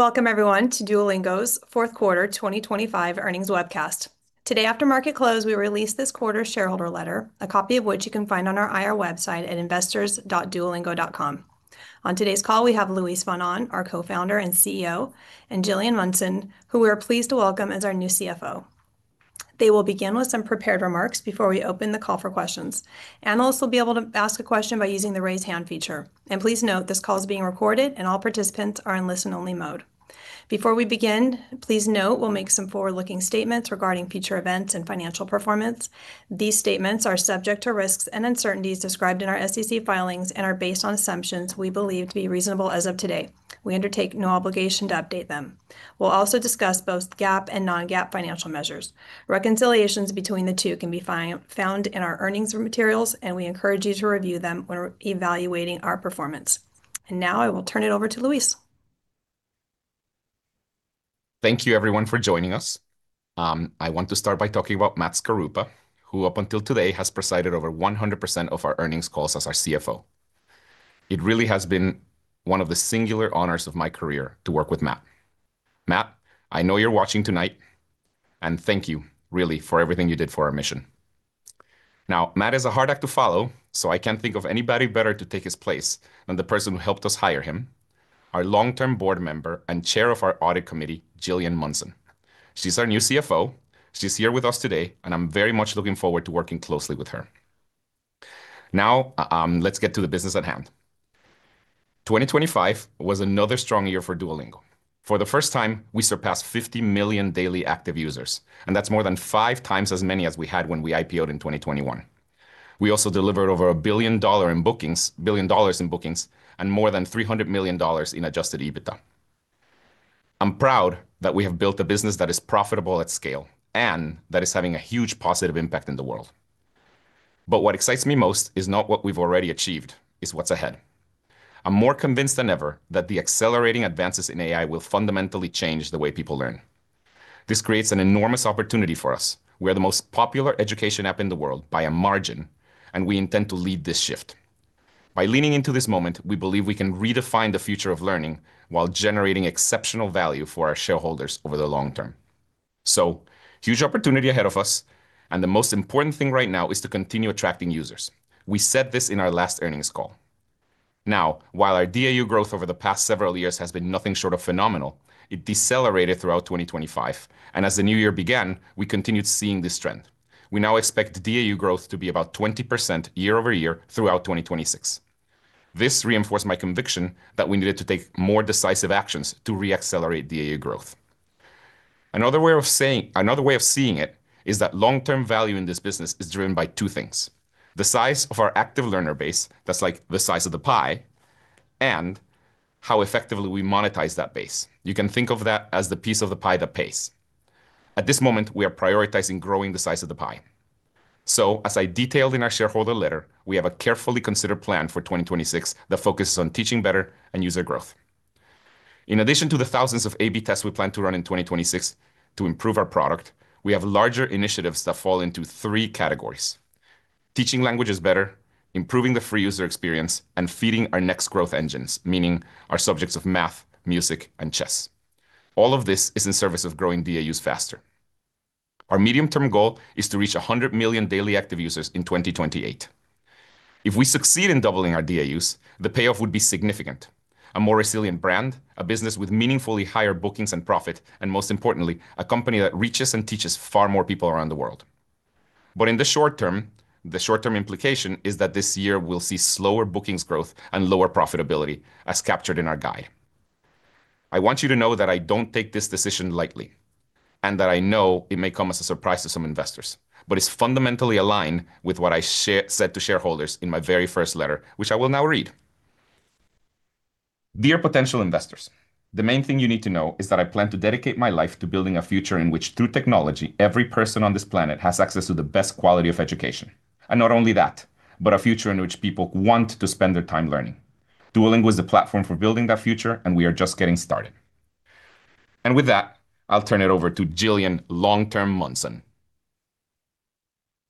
Welcome everyone to Duolingo's fourth quarter 2025 earnings webcast. Today, after market close, we released this quarter's shareholder letter, a copy of which you can find on our IR website at investors.duolingo.com. On today's call, we have Luis von Ahn, our Co-founder and CEO, and Gillian Munson, who we are pleased to welcome as our new CFO. They will begin with some prepared remarks before we open the call for questions. Analysts will be able to ask a question by using the Raise Hand feature. Please note, this call is being recorded, and all participants are in listen-only mode. Before we begin, please note we'll make some forward-looking statements regarding future events and financial performance. These statements are subject to risks and uncertainties described in our SEC filings and are based on assumptions we believe to be reasonable as of today. We undertake no obligation to update them. We'll also discuss both GAAP and non-GAAP financial measures. Reconciliations between the two can be found in our earnings materials, and we encourage you to review them when we're evaluating our performance. Now, I will turn it over to Luis. Thank you, everyone, for joining us. I want to start by talking about Matt Skaruppa, who, up until today, has presided over 100% of our earnings calls as our CFO. It really has been one of the singular honors of my career to work with Matt. Matt, I know you're watching tonight. Thank you, really, for everything you did for our mission. Matt is a hard act to follow. I can't think of anybody better to take his place than the person who helped us hire him, our long-term board member and chair of our audit committee, Gillian Munson. She's our new CFO. She's here with us today. I'm very much looking forward to working closely with her. Let's get to the business at hand. 2025 was another strong year for Duolingo. For the first time, we surpassed 50 million daily active users. That's more than five times as many as we had when we IPO'd in 2021. We also delivered over $1 billion in bookings and more than $300 million in adjusted EBITDA. I'm proud that we have built a business that is profitable at scale and that is having a huge positive impact in the world. What excites me most is not what we've already achieved, it's what's ahead. I'm more convinced than ever that the accelerating advances in AI will fundamentally change the way people learn. This creates an enormous opportunity for us. We are the most popular education app in the world by a margin. We intend to lead this shift. By leaning into this moment, we believe we can redefine the future of learning while generating exceptional value for our shareholders over the long term. Huge opportunity ahead of us, and the most important thing right now is to continue attracting users. We said this in our last earnings call. While our DAU growth over the past several years has been nothing short of phenomenal, it decelerated throughout 2025, and as the new year began, we continued seeing this trend. We now expect DAU growth to be about 20% year-over-year throughout 2026. This reinforced my conviction that we needed to take more decisive actions to re-accelerate DAU growth. Another way of seeing it is that long-term value in this business is driven by two things: the size of our active learner base, that's like the size of the pie, and how effectively we monetize that base. You can think of that as the piece of the pie. At this moment, we are prioritizing growing the size of the pie. As I detailed in our shareholder letter, we have a carefully considered plan for 2026 that focuses on teaching better and user growth. In addition to the thousands of A/B tests we plan to run in 2026 to improve our product, we have larger initiatives that fall into three categories: teaching languages better, improving the free user experience, and feeding our next growth engines, meaning our subjects of math, music, and chess. All of this is in service of growing DAUs faster. Our medium-term goal is to reach 100 million daily active users in 2028. If we succeed in doubling our DAUs, the payoff would be significant. A more resilient brand, a business with meaningfully higher bookings and profit, and most importantly, a company that reaches and teaches far more people around the world. In the short term, the short-term implication is that this year we'll see slower bookings growth and lower profitability, as captured in our guide. I want you to know that I don't take this decision lightly, and that I know it may come as a surprise to some investors, but it's fundamentally aligned with what I said to shareholders in my very first letter, which I will now read. Dear potential investors, the main thing you need to know is that I plan to dedicate my life to building a future in which, through technology, every person on this planet has access to the best quality of education. Not only that, but a future in which people want to spend their time learning. Duolingo is the platform for building that future, and we are just getting started." With that, I'll turn it over to Gillian long-term Munson.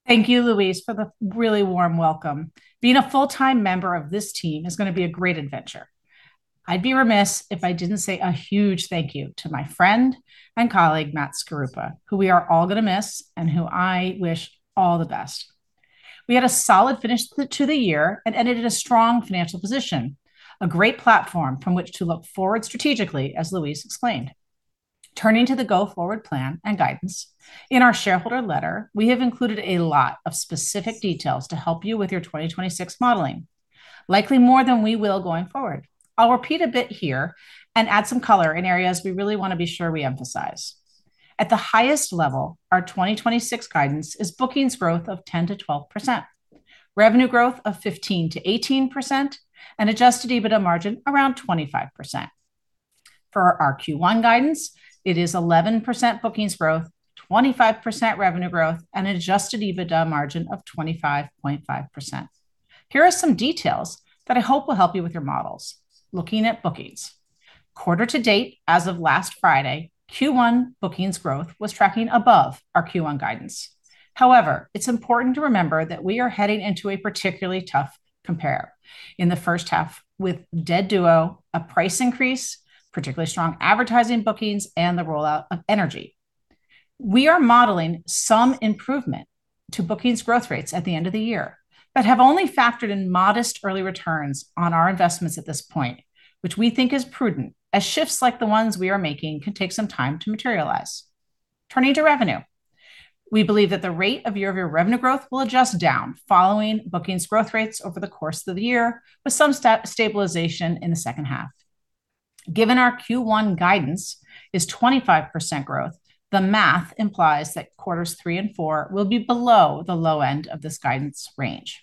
Thank you, Luis, for the really warm welcome. Being a full-time member of this team is gonna be a great adventure. I'd be remiss if I didn't say a huge thank you to my friend and colleague, Matt Skaruppa, who we are all gonna miss and who I wish all the best. We had a solid finish to the year and ended in a strong financial position, a great platform from which to look forward strategically, as Luis explained. Turning to the go-forward plan and guidance, in our shareholder letter, we have included a lot of specific details to help you with your 2026 modeling, likely more than we will going forward. I'll repeat a bit here and add some color in areas we really want to be sure we emphasize. At the highest level, our 2026 guidance is bookings growth of 10%-12%, revenue growth of 15%-18%, and adjusted EBITDA margin around 25%. For our Q1 guidance, it is 11% bookings growth, 25% revenue growth, and adjusted EBITDA margin of 25.5%. Here are some details that I hope will help you with your models. Looking at bookings. Quarter to date, as of last Friday, Q1 bookings growth was tracking above our Q1 guidance. However, it's important to remember that we are heading into a particularly tough compare. In the first half, with Dead Duo, a price increase, particularly strong advertising bookings, and the rollout of Energy. We are modeling some improvement to bookings growth rates at the end of the year, but have only factored in modest early returns on our investments at this point, which we think is prudent, as shifts like the ones we are making can take some time to materialize. Turning to revenue, we believe that the rate of year-over-year revenue growth will adjust down following bookings growth rates over the course of the year, with some stabilization in the second half. Given our Q1 guidance is 25% growth, the math implies that quarters three and four will be below the low end of this guidance range.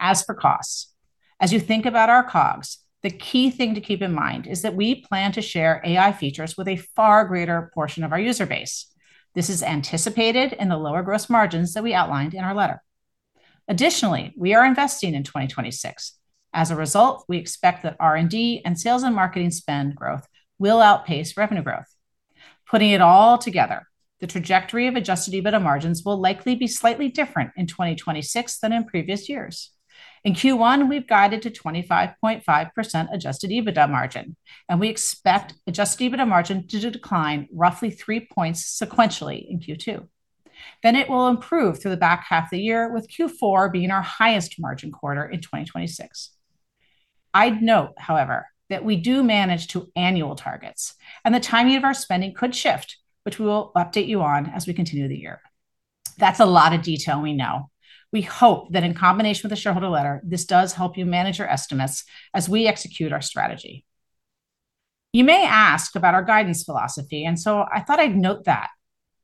As for costs, as you think about our COGS, the key thing to keep in mind is that we plan to share AI features with a far greater portion of our user base. This is anticipated in the lower gross margins that we outlined in our letter. We are investing in 2026. As a result, we expect that R&D and sales and marketing spend growth will outpace revenue growth. Putting it all together, the trajectory of adjusted EBITDA margins will likely be slightly different in 2026 than in previous years. In Q1, we've guided to 25.5% adjusted EBITDA margin, and we expect adjusted EBITDA margin to decline roughly 3 points sequentially in Q2. It will improve through the back half of the year, with Q4 being our highest margin quarter in 2026. I'd note, however, that we do manage to annual targets, and the timing of our spending could shift, which we will update you on as we continue the year. That's a lot of detail, we know. We hope that in combination with the shareholder letter, this does help you manage your estimates as we execute our strategy. You may ask about our guidance philosophy. I thought I'd note that.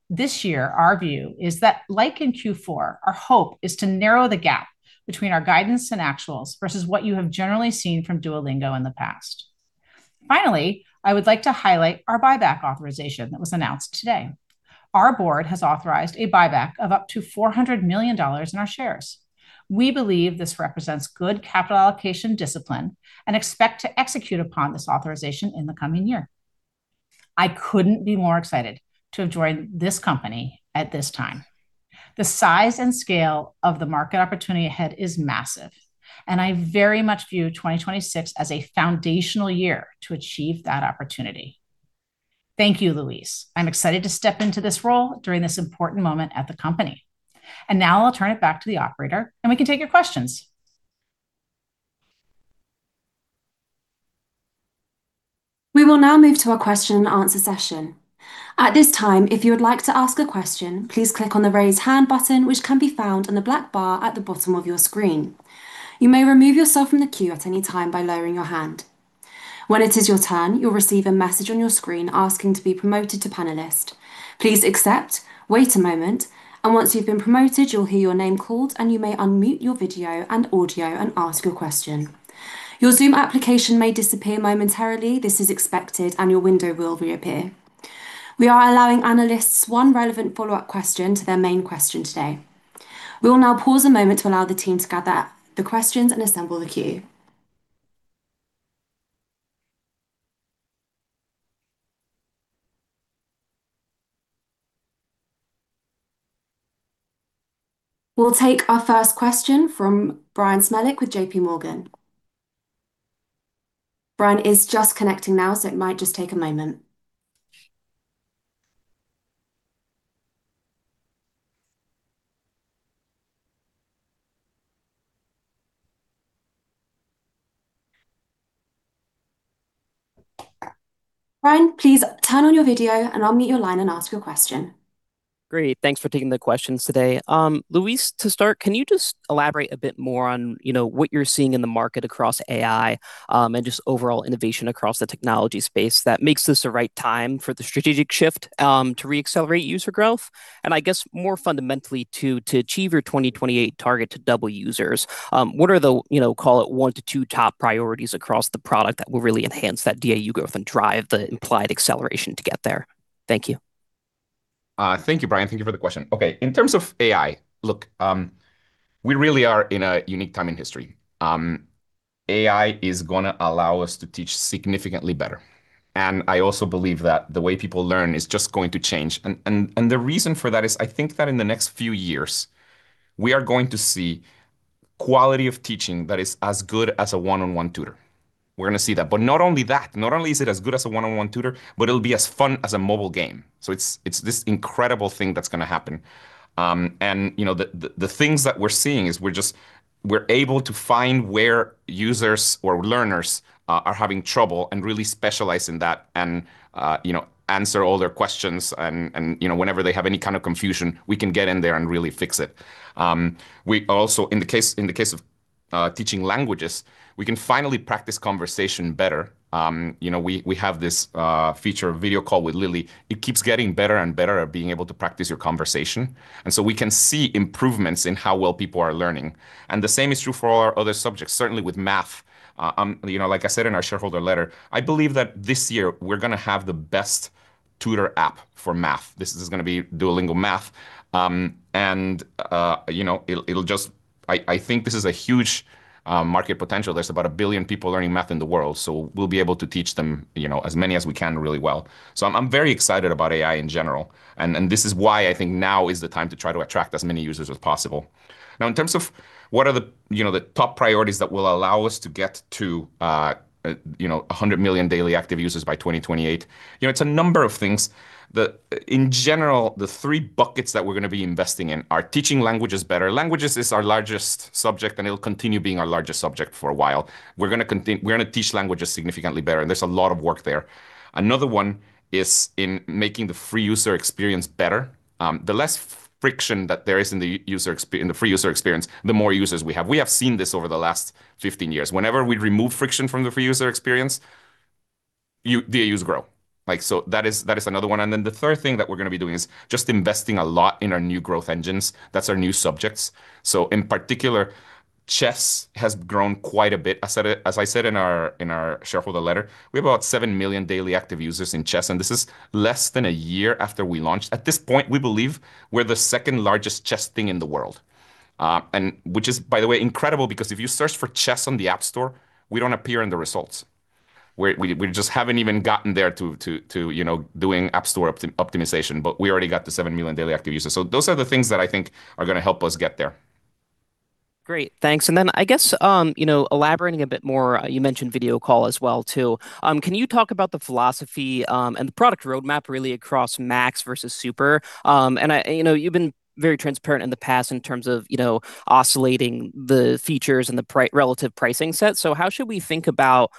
This year, our view is that, like in Q4, our hope is to narrow the gap between our guidance and actuals, versus what you have generally seen from Duolingo in the past. Finally, I would like to highlight our buyback authorization that was announced today. Our board has authorized a buyback of up to $400 million in our shares. We believe this represents good capital allocation discipline and expect to execute upon this authorization in the coming year. I couldn't be more excited to have joined this company at this time. The size and scale of the market opportunity ahead is massive, and I very much view 2026 as a foundational year to achieve that opportunity. Thank you, Luis. I'm excited to step into this role during this important moment at the company. Now I'll turn it back to the operator, and we can take your questions. We will now move to our question and answer session. At this time, if you would like to ask a question, please click on the Raise Hand button, which can be found on the black bar at the bottom of your screen. You may remove yourself from the queue at any time by lowering your hand. When it is your turn, you'll receive a message on your screen asking to be promoted to panelist. Please accept, wait a moment, and once you've been promoted, you'll hear your name called, and you may unmute your video and audio and ask your question. Your Zoom application may disappear momentarily. This is expected, and your window will reappear. We are allowing analysts one relevant follow-up question to their main question today. We will now pause a moment to allow the team to gather the questions and assemble the queue. We'll take our first question from Bryan Smilek with JPMorgan. Bryan is just connecting now. It might just take a moment. Bryan, please turn on your video, and unmute your line and ask your question. Great, thanks for taking the questions today. Luis, to start, can you just elaborate a bit more on, you know, what you're seeing in the market across AI and just overall innovation across the technology space that makes this the right time for the strategic shift to re-accelerate user growth? I guess more fundamentally, to achieve your 2028 target to double users, what are the, you know, call it 1 to 2 top priorities across the product that will really enhance that DAU growth and drive the implied acceleration to get there? Thank you. Thank you, Bryan. Thank you for the question. Okay, in terms of AI, look, we really are in a unique time in history. AI is gonna allow us to teach significantly better, and I also believe that the way people learn is just going to change. The reason for that is, I think that in the next few years, we are going to see quality of teaching that is as good as a one-on-one tutor. We're gonna see that. Not only that, not only is it as good as a one-on-one tutor, but it'll be as fun as a mobile game. It's this incredible thing that's gonna happen. You know, the, the things that we're seeing is we're able to find where users or learners are having trouble and really specialize in that and, you know, answer all their questions, and, you know, whenever they have any kind of confusion, we can get in there and really fix it. We also, in the case of, teaching languages, we can finally practice conversation better. You know, we have this, feature, a Video Call with Lily. It keeps getting better and better at being able to practice your conversation. So we can see improvements in how well people are learning. The same is true for all our other subjects, certainly with math. you know, like I said in our shareholder letter, I believe that this year we're gonna have the best tutor app for math. This is gonna be Duolingo Math. you know, I think this is a huge market potential. There's about 1 billion people learning math in the world. We'll be able to teach them, you know, as many as we can really well. I'm very excited about AI in general, and this is why I think now is the time to try to attract as many users as possible. In terms of what are the, you know, the top priorities that will allow us to get to, you know, 100 million daily active users by 2028, you know, it's a number of things that, in general, the three buckets that we're gonna be investing in are teaching languages better. Languages is our largest subject, it'll continue being our largest subject for a while. We're gonna teach languages significantly better, there's a lot of work there. Another one is in making the free user experience better. The less friction that there is in the free user experience, the more users we have. We have seen this over the last 15 years. Whenever we remove friction from the free user experience, the AU's grow. That is another one, and then the third thing that we're going to be doing is just investing a lot in our new growth engines. That's our new subjects. In particular, chess has grown quite a bit. As I said in our shareholder letter, we have about 7 million daily active users in chess, and this is less than a year after we launched. At this point, we believe we're the second-largest chess thing in the world. Which is, by the way, incredible, because if you search for chess on the App Store, we don't appear in the results. We just haven't even gotten there to, you know, doing App Store optimization, but we already got the 7 million daily active users. Those are the things that I think are gonna help us get there. Great, thanks. I guess, you know, elaborating a bit more, you mentioned Video Call as well, too. Can you talk about the philosophy and the product roadmap, really, across Max versus Super? I, you know, you've been very transparent in the past in terms of, you know, oscillating the features and the relative pricing set. How should we think about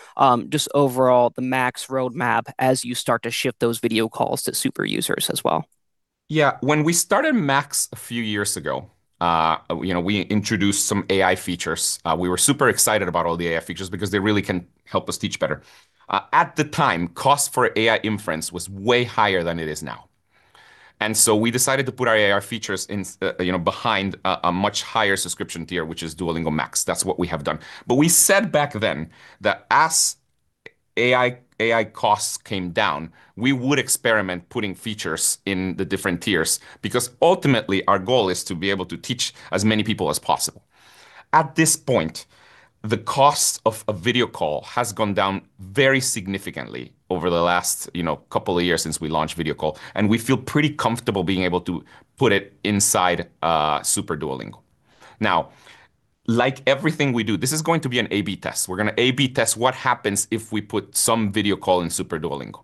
just overall the Max roadmap as you start to ship those Video Calls to Super users as well? Yeah, when we started Max a few years ago, you know, we introduced some AI features. We were super excited about all the AI features because they really can help us teach better. At the time, cost for AI inference was way higher than it is now. We decided to put our AI features in you know, behind a much higher subscription tier, which is Duolingo Max. That's what we have done. We said back then that as AI costs came down, we would experiment putting features in the different tiers, because ultimately, our goal is to be able to teach as many people as possible. At this point, the cost of a Video Call has gone down very significantly over the last, you know, couple of years since we launched Video Call, and we feel pretty comfortable being able to put it inside Super Duolingo. Like everything we do, this is going to be an A/B test. We're gonna A/B test what happens if we put some Video Call in Super Duolingo.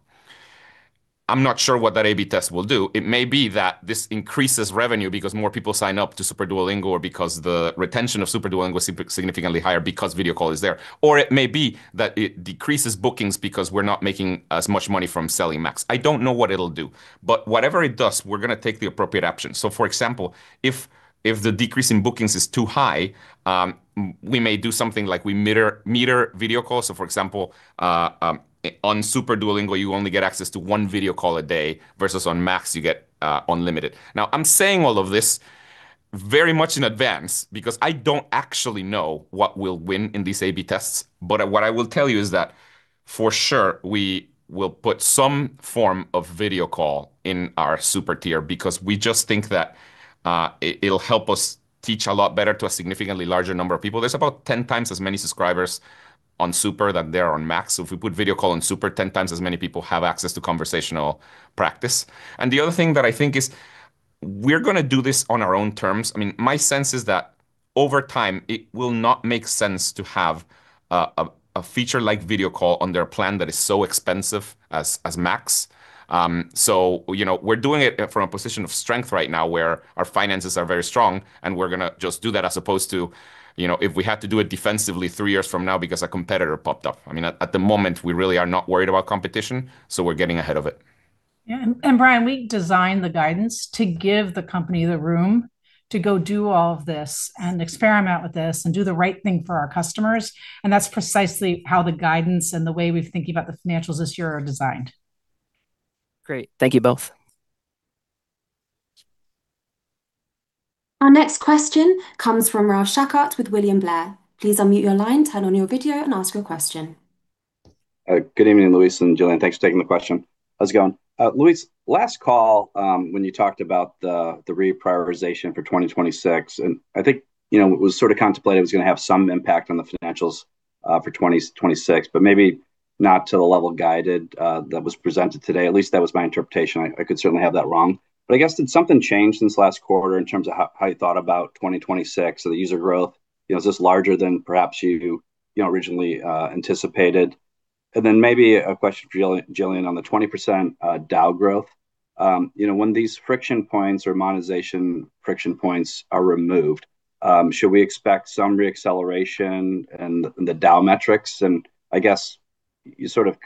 I'm not sure what that A/B test will do. It may be that this increases revenue because more people sign up to Super Duolingo, or because the retention of Super Duolingo is significantly higher because Video Call is there. It may be that it decreases bookings because we're not making as much money from selling Max. I don't know what it'll do, but whatever it does, we're gonna take the appropriate action. For example, if the decrease in bookings is too high, we may do something like we meter Video Calls. For example, on Super Duolingo, you only get access to one Video Call a day, versus on Max, you get unlimited. I'm saying all of this very much in advance because I don't actually know what will win in these A/B tests. What I will tell you is that for sure, we will put some form of Video Call in our Super tier, because we just think that it'll help us teach a lot better to a significantly larger number of people. There's about 10 times as many subscribers on Super than there are on Max. If we put Video Call on Super, 10 times as many people have access to conversational practice. The other thing that I think is, we're going to do this on our own terms. I mean, my sense is that over time, it will not make sense to have a feature like video call on their plan that is so expensive as Max. You know, we're doing it from a position of strength right now, where our finances are very strong, and we're going to just do that, as opposed to, you know, if we had to do it defensively three years from now because a competitor popped up. I mean, at the moment, we really are not worried about competition, we're getting ahead of it. Yeah, and Bryan, we designed the guidance to give the company the room to go do all of this and experiment with this and do the right thing for our customers, and that's precisely how the guidance and the way we're thinking about the financials this year are designed. Great. Thank you both. Our next question comes from Ralph Schackart with William Blair. Please unmute your line, turn on your video, and ask your question. Good evening, Luis and Gillian. Thanks for taking the question. How's it going? Luis, last call, when you talked about the reprioritization for 2026, and I think, you know, it was sort of contemplated it was gonna have some impact on the financials for 2026, but maybe not to the level of guided that was presented today. At least that was my interpretation. I could certainly have that wrong. I guess, did something change since last quarter in terms of how you thought about 2026, so the user growth, you know, is this larger than perhaps you know, originally anticipated? Maybe a question for Gillian, on the 20% DAU growth. When these friction points or monetization friction points are removed, should we expect some re-acceleration in the DAU metrics? I guess you sort of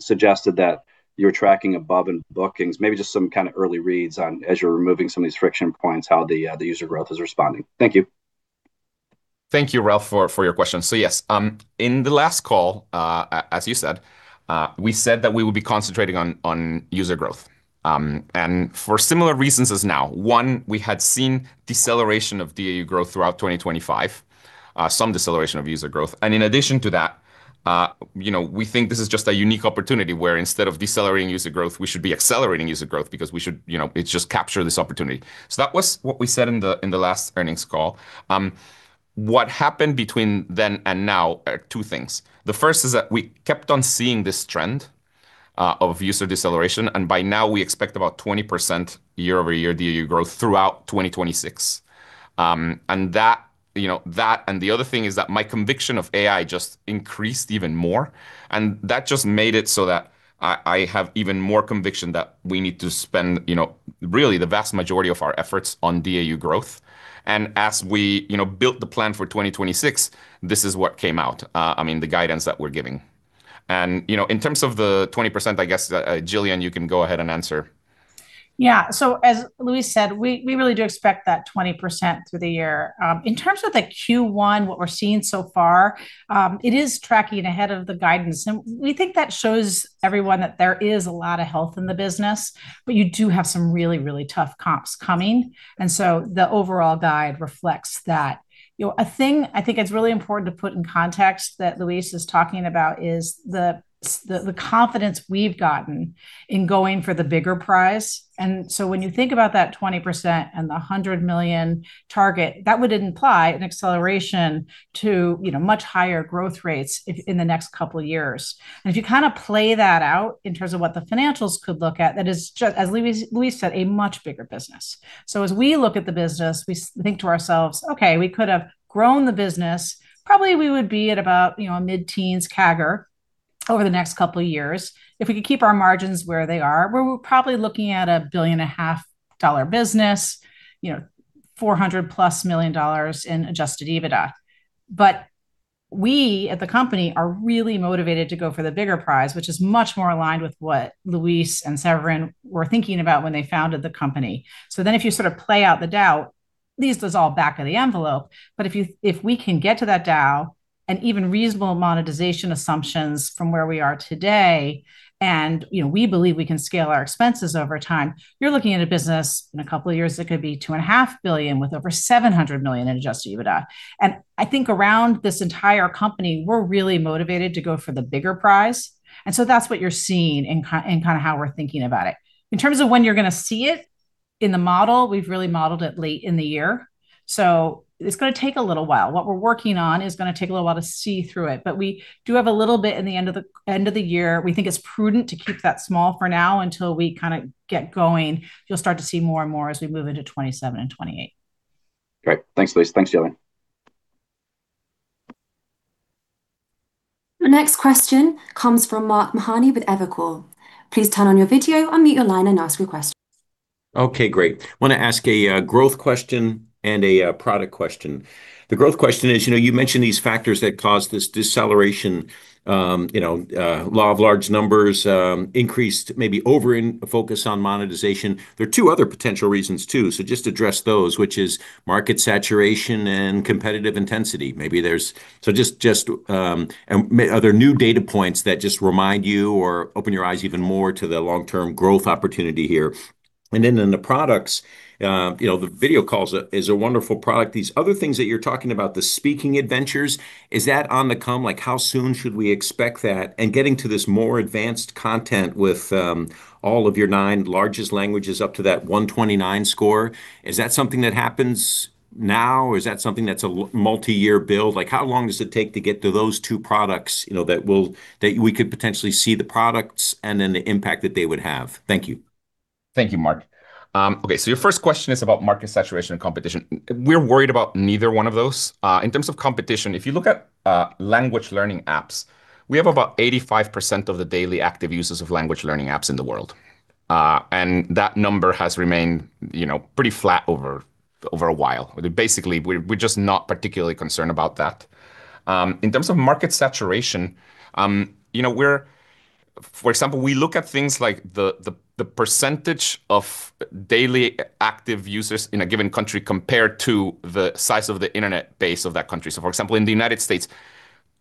suggested that you're tracking above in bookings. Maybe just some kind of early reads on, as you're removing some of these friction points, how the user growth is responding? Thank you. Thank you, Ralph, for your question. Yes, in the last call, as you said, we said that we would be concentrating on user growth. For similar reasons as now, one, we had seen deceleration of DAU growth throughout 2025, some deceleration of user growth, and in addition to that, you know, we think this is just a unique opportunity where instead of decelerating user growth, we should be accelerating user growth because we should, you know, just capture this opportunity. That was what we said in the last earnings call. What happened between then and now are two things. The first is that we kept on seeing this trend of user deceleration, and by now we expect about 20% year-over-year DAU growth throughout 2026. That, you know, that and the other thing is that my conviction of AI just increased even more, and that just made it so that I have even more conviction that we need to spend, you know, really the vast majority of our efforts on DAU growth. As we, you know, built the plan for 2026, this is what came out, I mean, the guidance that we're giving. You know, in terms of the 20%, I guess, Gillian, you can go ahead and answer. As Luis said, we really do expect that 20% through the year. In terms of the Q1, what we're seeing so far, it is tracking ahead of the guidance, we think that shows everyone that there is a lot of health in the business, you do have some really tough comps coming, the overall guide reflects that. You know, a thing I think it's really important to put in context that Luis is talking about is the confidence we've gotten in going for the bigger prize. When you think about that 20% and the $100 million target, that would imply an acceleration to, you know, much higher growth rates in the next couple of years. If you kinda play that out in terms of what the financials could look at, that is as Luis said, a much bigger business. As we look at the business, we think to ourselves, "Okay, we could have grown the business. Probably, we would be at about, you know, a mid-teens CAGR over the next couple of years. If we could keep our margins where they are, we're probably looking at a billion and a half dollar business, you know, $400+ million in adjusted EBITDA." We, at the company, are really motivated to go for the bigger prize, which is much more aligned with what Luis and Severin were thinking about when they founded the company. If you sort of play out the DAU, at least it's all back of the envelope, but if we can get to that DAU and even reasonable monetization assumptions from where we are today, and, you know, we believe we can scale our expenses over time, you're looking at a business in a couple of years that could be $2.5 billion, with over $700 million in adjusted EBITDA. I think around this entire company, we're really motivated to go for the bigger prize, and so that's what you're seeing and kinda how we're thinking about it. In terms of when you're gonna see it, in the model, we've really modeled it late in the year, so it's gonna take a little while. What we're working on is gonna take a little while to see through it. We do have a little bit in the end of the, end of the year. We think it's prudent to keep that small for now until we kinda get going. You'll start to see more and more as we move into 2027 and 2028. Great. Thanks, Luis. Thanks, Gillian. The next question comes from Mark Mahaney with Evercore. Please turn on your video, unmute your line, and ask your question. Okay, great. Want to ask a growth question and a product question. The growth question is, you know, you mentioned these factors that caused this deceleration, you know, law of large numbers, increased, maybe over in focus on monetization. There are two other potential reasons too, so just address those, which is market saturation and competitive intensity. Maybe there's. Just, and are there new data points that just remind you or open your eyes even more to the long-term growth opportunity here? In the products, you know, the video calls a wonderful product. These other things that you're talking about, the Speaking Adventures, is that on the come? Like, how soon should we expect that? Getting to this more advanced content with, all of your nine largest languages up to that 129 score, is that something that happens now, or is that something that's a multi-year build? Like, how long does it take to get to those two products, you know, that we could potentially see the products and then the impact that they would have? Thank you. Thank you, Mark. Okay, your first question is about market saturation and competition. We're worried about neither one of those. In terms of competition, if you look at language learning apps, we have about 85% of the daily active users of language learning apps in the world. That number has remained, you know, pretty flat over a while. Basically, we're just not particularly concerned about that. In terms of market saturation, you know, for example, we look at things like the percentage of daily active users in a given country compared to the size of the internet base of that country. For example, in the United States,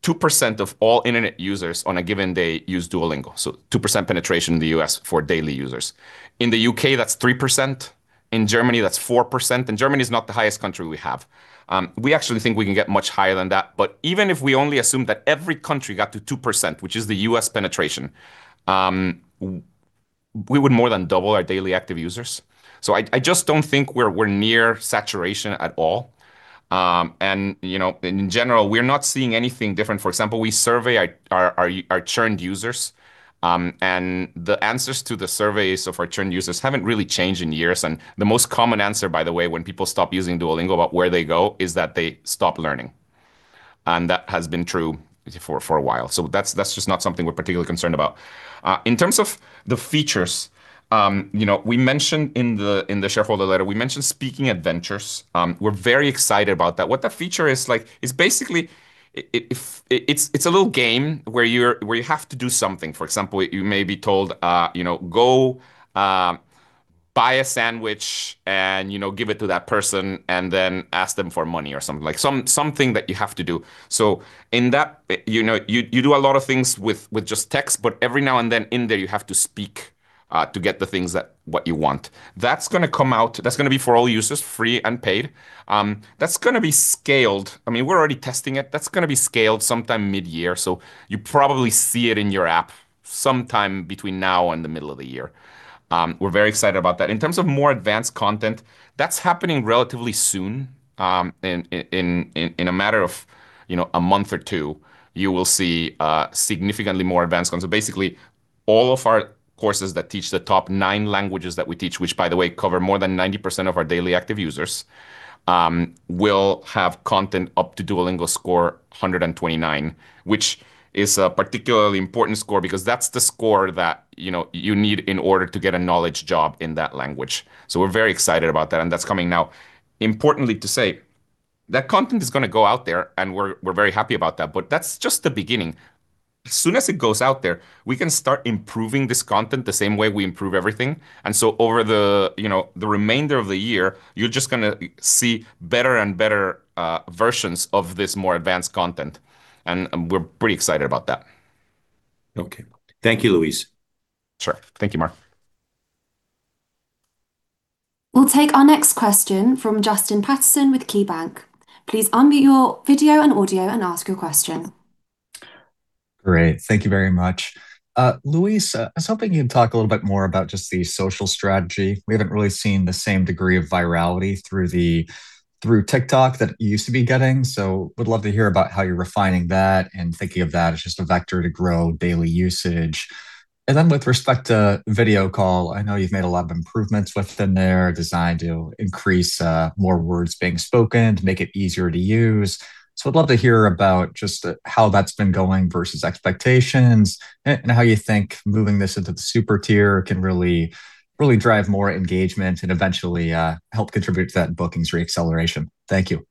2% of all internet users on a given day use Duolingo, so 2% penetration in the U.S. for daily users. In the U.K., that's 3%, in Germany, that's 4%, Germany is not the highest country we have. We actually think we can get much higher than that. Even if we only assume that every country got to 2%, which is the U.S. penetration, we would more than double our daily active users. I just don't think we're near saturation at all. You know, in general, we're not seeing anything different. For example, we survey our churned users, the answers to the surveys of our churned users haven't really changed in years. The most common answer, by the way, when people stop using Duolingo, about where they go, is that they stop learning, that has been true for a while. That's just not something we're particularly concerned about. In terms of the features, you know, we mentioned in the shareholder letter, we mentioned Speaking Adventures. We're very excited about that. What that feature is like, it's basically a little game where you're, where you have to do something. For example, you may be told, you know, "Go, buy a sandwich and, you know, give it to that person, and then ask them for money," or something, like something that you have to do. In that, you know, you do a lot of things with just text, but every now and then in there, you have to speak to get the things that, what you want. That's gonna come out, that's gonna be for all users, free and paid. That's gonna be scaled. I mean, we're already testing it. That's gonna be scaled sometime mid-year, so you'll probably see it in your app sometime between now and the middle of the year. We're very excited about that. In terms of more advanced content, that's happening relatively soon, in a matter of, you know, a month or two, you will see significantly more advanced content. Basically, all of our courses that teach the top nine languages that we teach, which by the way, cover more than 90% of our daily active users, will have content up to Duolingo Score 129, which is a particularly important score because that's the score that, you know, you need in order to get a knowledge job in that language. We're very excited about that, and that's coming now. Importantly to say, that content is gonna go out there, and we're very happy about that. That's just the beginning. As soon as it goes out there, we can start improving this content the same way we improve everything. Over the, you know, the remainder of the year, you're just gonna see better and better versions of this more advanced content, and we're pretty excited about that. Okay. Thank you, Luis. Sure. Thank you, Mark. We'll take our next question from Justin Patterson with KeyBanc. Please unmute your video and audio and ask your question. Great. Thank you very much. Luis, I was hoping you'd talk a little bit more about just the social strategy. We haven't really seen the same degree of virality through TikTok that you used to be getting, so would love to hear about how you're refining that and thinking of that as just a vector to grow daily usage. With respect to video call, I know you've made a lot of improvements within there, designed to increase, more words being spoken, to make it easier to use. I'd love to hear about just how that's been going versus expectations, and how you think moving this into the Super tier can really drive more engagement and eventually, help contribute to that bookings re-acceleration. Thank you.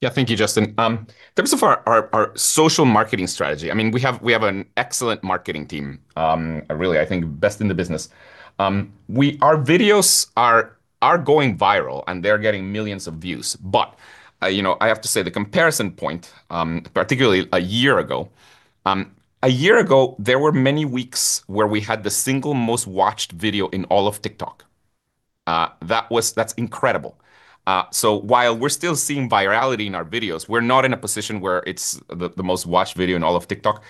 Yeah, thank you, Justin. In terms of our social marketing strategy, I mean, we have an excellent marketing team. Really, I think the best in the business. Our videos are going viral, and they're getting millions of views. You know, I have to say, the comparison point, particularly a year ago, a year ago, there were many weeks where we had the single most watched video in all of TikTok. That was, that's incredible. While we're still seeing virality in our videos, we're not in a position where it's the most watched video in all of TikTok.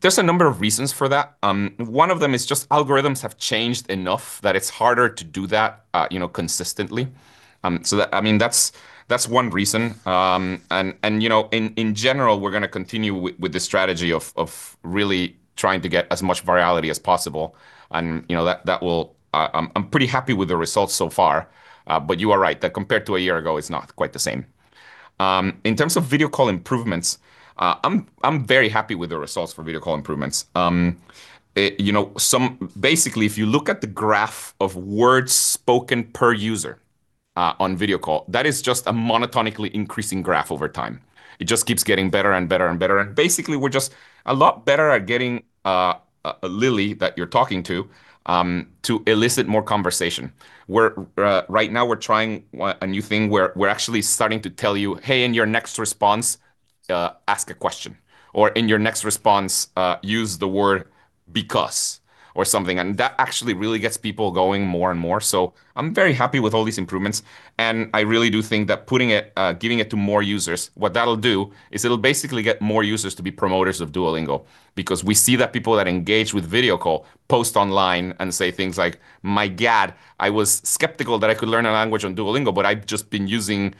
There's a number of reasons for that. One of them is just algorithms have changed enough that it's harder to do that, you know, consistently. I mean, that's one reason. You know, in general, we're gonna continue with the strategy of really trying to get as much virality as possible, and, you know, that will. I'm pretty happy with the results so far, but you are right, that compared to a year ago, it's not quite the same. In terms of Video Call improvements, I'm very happy with the results for Video Call improvements. You know, basically, if you look at the graph of words spoken per user on Video Call, that is just a monotonically increasing graph over time. It just keeps getting better and better, and basically, we're just a lot better at getting a Lily that you're talking to to elicit more conversation. We're right now, we're trying a new thing, where we're actually starting to tell you, "Hey, in your next response, ask a question," or, "In your next response, use the word because or something." That actually really gets people going more and more, so I'm very happy with all these improvements, and I really do think that putting it, giving it to more users, what that'll do is it'll basically get more users to be promoters of Duolingo. We see that people that engage with video call post online and say things like, "My God, I was skeptical that I could learn a language on Duolingo, but I've just been using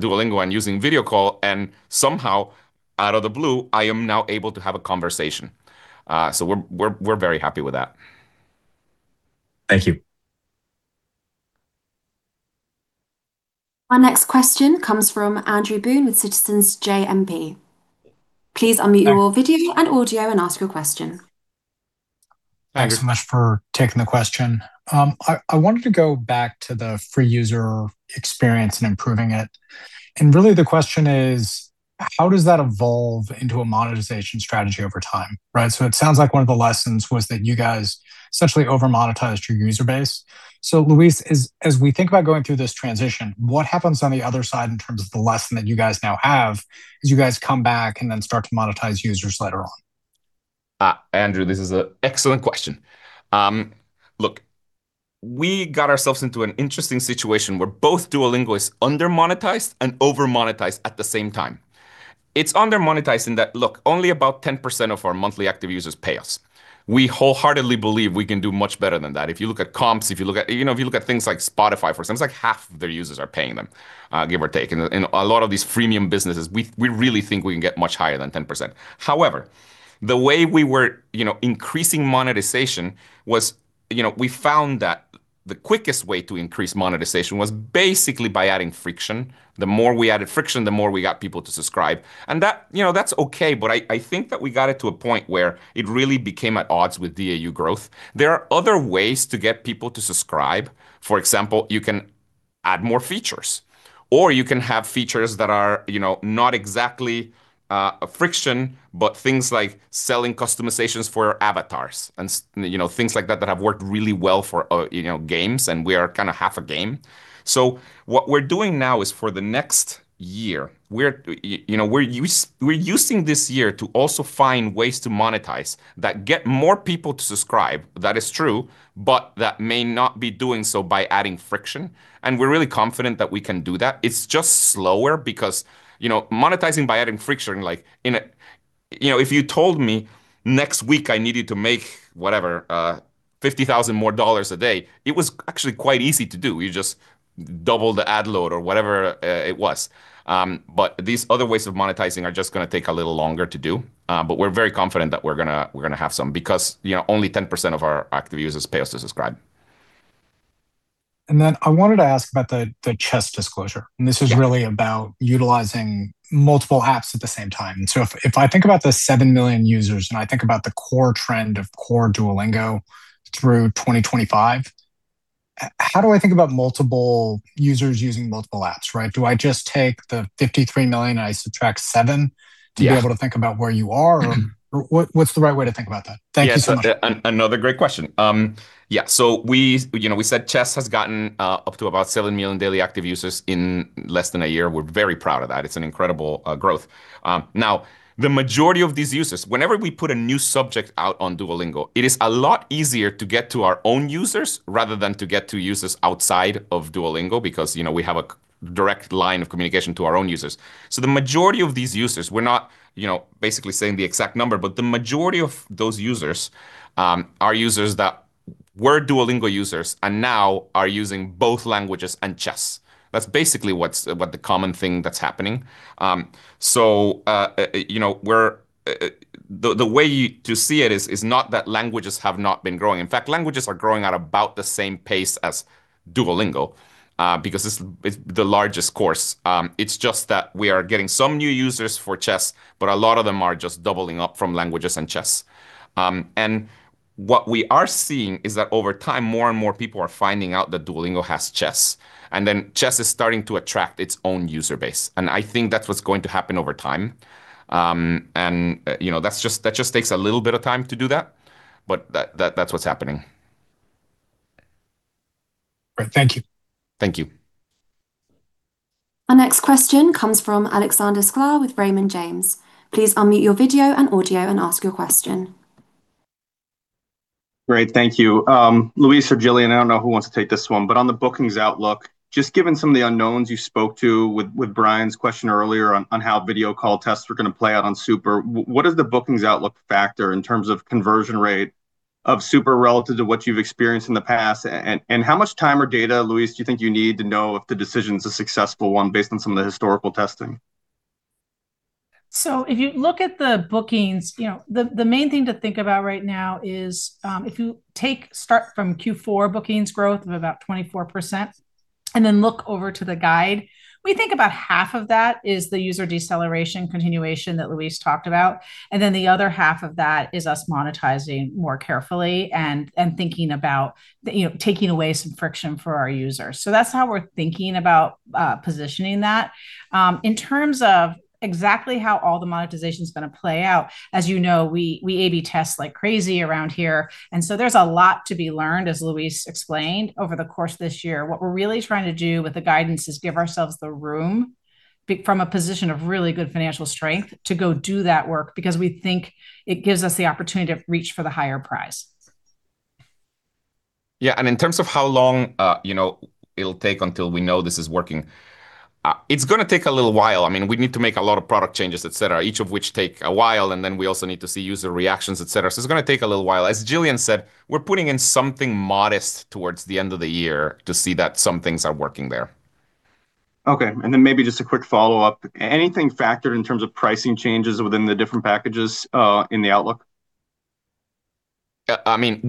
Duolingo and using video call, and somehow, out of the blue, I am now able to have a conversation." We're very happy with that. Thank you. Our next question comes from Andrew Boone with Citizens JMP. Please unmute your video and audio and ask your question. Thanks so much for taking the question. I wanted to go back to the free user experience and improving it. Really, the question is, how does that evolve into a monetization strategy over time? Right? Luis, as we think about going through this transition, what happens on the other side in terms of the lesson that you guys now have, as you guys come back and start to monetize users later on? Andrew, this is a excellent question. Look, we got ourselves into an interesting situation, where both Duolingo is under-monetized and over-monetized at the same time. It's under-monetized in that, look, only about 10% of our monthly active users pay us. We wholeheartedly believe we can do much better than that. If you look at comps, if you look at, you know, if you look at things like Spotify, for instance, like, half of their users are paying them, give or take. A lot of these freemium businesses, we really think we can get much higher than 10%. However, the way we were, you know, increasing monetization was, you know, we found that the quickest way to increase monetization was basically by adding friction. The more we added friction, the more we got people to subscribe. That, you know, that's okay, but I think that we got it to a point where it really became at odds with DAU growth. There are other ways to get people to subscribe. For example, you can add more features. Or you can have features that are, you know, not exactly a friction, but things like selling customizations for avatars and you know, things like that that have worked really well for, you know, games, and we are kind of half a game. What we're doing now is for the next year, we're, you know, we're using this year to also find ways to monetize, that get more people to subscribe, that is true, but that may not be doing so by adding friction, and we're really confident that we can do that. It's just slower because, you know, monetizing by adding friction, like, you know, if you told me next week I needed to make, whatever, $50,000 more a day, it was actually quite easy to do. You just double the ad load or whatever it was. These other ways of monetizing are just going to take a little longer to do, but we're very confident that we're gonna have some, because, you know, only 10% of our active users pay us to subscribe. I wanted to ask about the Chess disclosure. Yeah. This is really about utilizing multiple apps at the same time. If, if I think about the 7 million users and I think about the core trend of core Duolingo through 2025, how do I think about multiple users using multiple apps, right? Do I just take the 53 million, and I subtract 7- Yes -to be able to think about where you are, or what's the right way to think about that? Thank you so much. Yes, another great question. Yeah, you know, we said Chess has gotten up to about 7 million daily active users in less than 1 year. We're very proud of that. It's an incredible growth. Now, the majority of these users, whenever we put a new subject out on Duolingo, it is a lot easier to get to our own users rather than to get to users outside of Duolingo, because, you know, we have a direct line of communication to our own users. The majority of these users, we're not, you know, basically saying the exact number, but the majority of those users are users that were Duolingo users and now are using both Languages and Chess. That's basically what's the common thing that's happening. You know, we're the way you to see it is not that Languages have not been growing. In fact, Languages are growing at about the same pace as Duolingo because this is the largest course. It's just that we are getting some new users for Chess, but a lot of them are just doubling up from Languages and Chess. What we are seeing is that over time, more and more people are finding out that Duolingo has Chess, and then Chess is starting to attract its own user base, and I think that's what's going to happen over time. You know, that just takes a little bit of time to do that, but that's what's happening. All right. Thank you. Thank you. Our next question comes from Alexander Sklar with Raymond James. Please unmute your video and audio and ask your question. Great. Thank you. Luis or Gillian, I don't know who wants to take this one, but on the bookings outlook, just given some of the unknowns you spoke to with Bryan's question earlier on how video call tests were going to play out on Super, what does the bookings outlook factor in terms of conversion rate of Super relative to what you've experienced in the past? How much time or data, Luis, do you think you need to know if the decision is a successful one based on some of the historical testing? If you look at the bookings, you know, the main thing to think about right now is, if you start from Q4 bookings growth of about 24%, and then look over to the guide, we think about half of that is the user deceleration continuation that Luis talked about, and then the other half of that is us monetizing more carefully and thinking about, you know, taking away some friction for our users. That's how we're thinking about positioning that. In terms of exactly how all the monetization is going to play out, as you know, we A/B test like crazy around here, and so there's a lot to be learned, as Luis explained, over the course of this year. What we're really trying to do with the guidance is give ourselves the room, be from a position of really good financial strength, to go do that work, because we think it gives us the opportunity to reach for the higher price. Yeah, and in terms of how long, you know, it'll take until we know this is working, it's going to take a little while. I mean, we need to make a lot of product changes, et cetera, each of which take a while, and then we also need to see user reactions, et cetera. It's going to take a little while. As Gillian said, we're putting in something modest towards the end of the year to see that some things are working there. Okay, maybe just a quick follow-up. Anything factored in terms of pricing changes within the different packages in the outlook? I mean,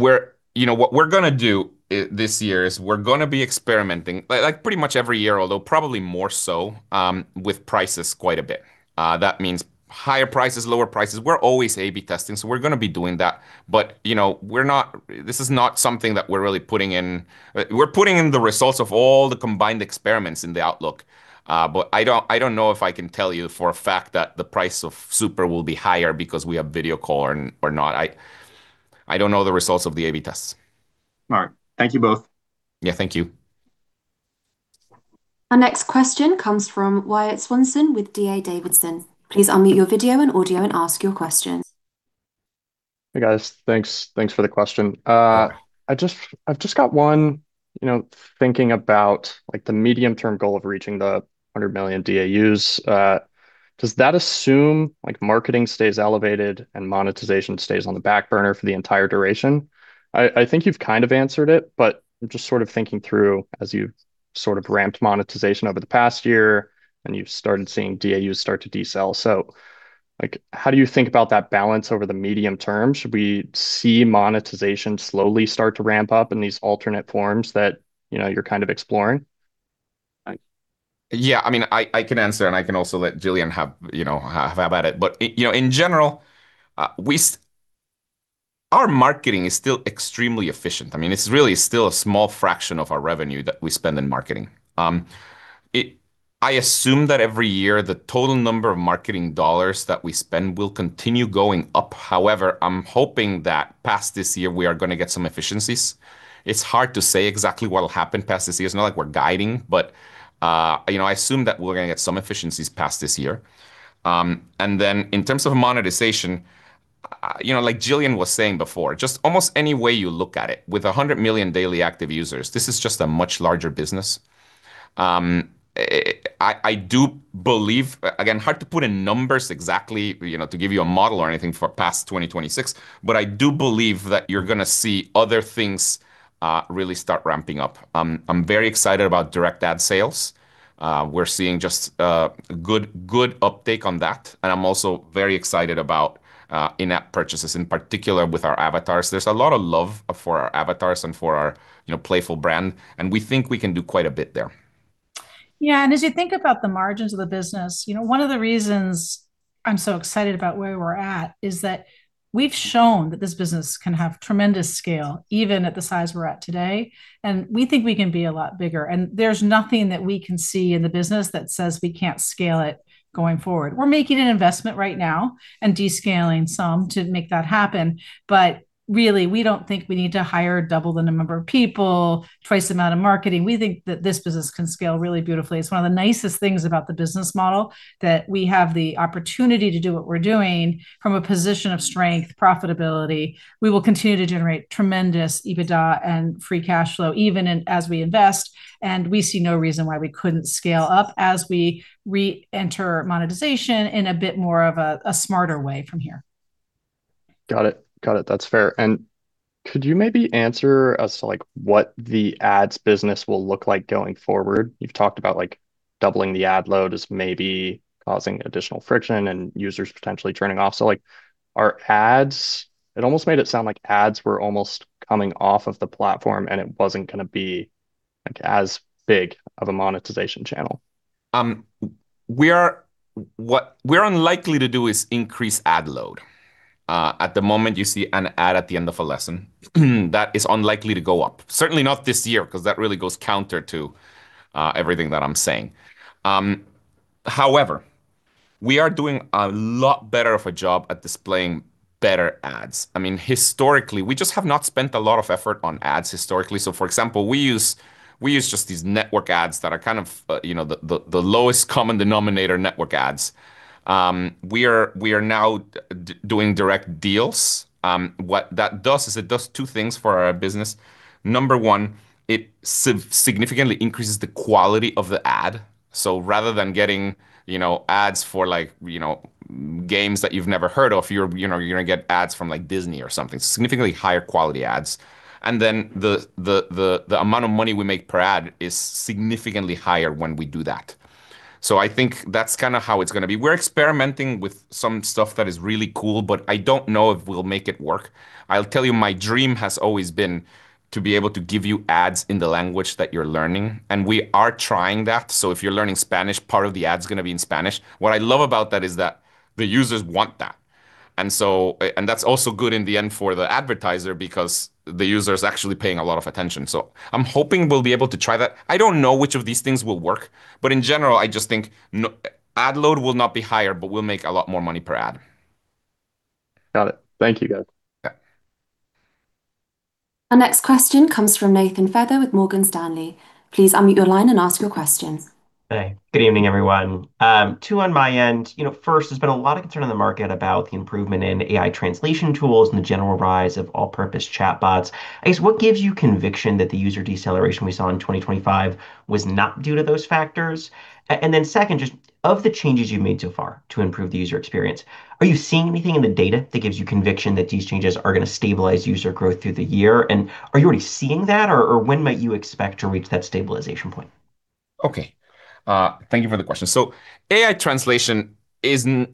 you know, what we're gonna do this year is we're gonna be experimenting, like pretty much every year, although probably more so, with prices quite a bit. That means higher prices, lower prices. We're always A/B testing, so we're going to be doing that. You know, this is not something that we're really putting in. We're putting in the results of all the combined experiments in the outlook. I don't, I don't know if I can tell you for a fact that the price of Super will be higher because we have Video Call or not. I don't know the results of the A/B tests. All right. Thank you both. Yeah, thank you. Our next question comes from Wyatt Swanson with D.A. Davidson. Please unmute your video and audio and ask your question. Hey, guys. Thanks for the question. I've just got one, you know, thinking about, like, the medium-term goal of reaching the 100 million DAUs. Does that assume, like, marketing stays elevated and monetization stays on the back burner for the entire duration? I think you've kind of answered it, but just sort of thinking through, as you've sort of ramped monetization over the past year, and you've started seeing DAUs start to decel. Like, how do you think about that balance over the medium term? Should we see monetization slowly start to ramp up in these alternate forms that, you know, you're kind of exploring? Yeah, I mean, I can answer, and I can also let Gillian have, you know, have at it. You know, in general, our marketing is still extremely efficient. I mean, it's really still a small fraction of our revenue that we spend in marketing. I assume that every year, the total number of marketing dollars that we spend will continue going up. However, I'm hoping that past this year, we are gonna get some efficiencies. It's hard to say exactly what'll happen past this year. It's not like we're guiding, you know, I assume that we're gonna get some efficiencies past this year. In terms of monetization, you know, like Gillian was saying before, just almost any way you look at it, with 100 million daily active users, this is just a much larger business. I do believe, again, hard to put in numbers exactly, you know, to give you a model or anything for past 2026. I do believe that you're gonna see other things really start ramping up. I'm very excited about direct ad sales. We're seeing just good uptake on that. I'm also very excited about in-app purchases, in particular with our avatars. There's a lot of love for our avatars and for our, you know, playful brand. We think we can do quite a bit there. Yeah, as you think about the margins of the business, you know, one of the reasons I'm so excited about where we're at, is that we've shown that this business can have tremendous scale, even at the size we're at today, and we think we can be a lot bigger. There's nothing that we can see in the business that says we can't scale it going forward. We're making an investment right now and descaling some to make that happen, but really, we don't think we need to hire double the number of people, twice the amount of marketing. We think that this business can scale really beautifully. It's one of the nicest things about the business model, that we have the opportunity to do what we're doing from a position of strength, profitability. We will continue to generate tremendous EBITDA and free cash flow, even as we invest. We see no reason why we couldn't scale up as we re-enter monetization in a bit more of a smarter way from here. Got it. Got it, that's fair. Could you maybe answer as to, like, what the ads business will look like going forward? You've talked about, like, doubling the ad load is maybe causing additional friction and users potentially turning off. Like, are ads, it almost made it sound like ads were almost coming off of the platform, and it wasn't gonna be, like, as big of a monetization channel? What we're unlikely to do is increase ad load. At the moment, you see an ad at the end of a lesson. That is unlikely to go up. Certainly not this year, 'cause that really goes counter to everything that I'm saying. However, we are doing a lot better of a job at displaying better ads. I mean, historically, we just have not spent a lot of effort on ads, historically. For example, we use just these network ads that are kind of, you know, the lowest common denominator network ads. We are now doing direct deals. What that does is it does 2 things for our business. Number 1, it significantly increases the quality of the ad. Rather than getting, you know, ads for like, you know, games that you've never heard of, you're, you know, you're gonna get ads from, like, Disney or something, significantly higher quality ads. Then the amount of money we make per ad is significantly higher when we do that. I think that's kinda how it's gonna be. We're experimenting with some stuff that is really cool, but I don't know if we'll make it work. I'll tell you, my dream has always been to be able to give you ads in the language that you're learning, and we are trying that. If you're learning Spanish, part of the ad's gonna be in Spanish. What I love about that is that the users want that. That's also good in the end for the advertiser because the user is actually paying a lot of attention, so I'm hoping we'll be able to try that. I don't know which of these things will work, but in general, I just think ad load will not be higher, but we'll make a lot more money per ad. Got it. Thank you, guys. Yeah. Our next question comes from Nathan Feather with Morgan Stanley. Please unmute your line and ask your question. Hey, good evening, everyone. Two on my end. You know, first, there's been a lot of concern in the market about the improvement in AI translation tools and the general rise of all-purpose chatbots. I guess, what gives you conviction that the user deceleration we saw in 2025 was not due to those factors? Then second, just of the changes you've made so far to improve the user experience, are you seeing anything in the data that gives you conviction that these changes are gonna stabilize user growth through the year? Are you already seeing that, or when might you expect to reach that stabilization point? Okay, thank you for the question. AI translation isn't...